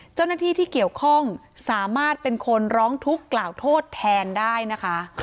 เจ้าหน้าที่ที่เกี่ยวข้องสามารถเป็นคนร้องทุกข์กล่าวโทษแทนได้นะคะ